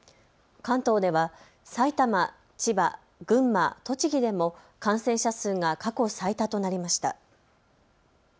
関東ではさいたま、千葉、群馬栃木でも感染者数が過去最多となりました。